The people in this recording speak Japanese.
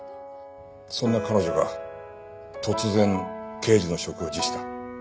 そんな彼女が突然刑事の職を辞した。